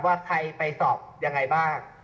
ว่าใครไปสอบยังไงบ้าง